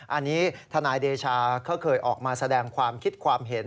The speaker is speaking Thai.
อันนี้ทนายเดชาเขาเคยออกมาแสดงความคิดความเห็น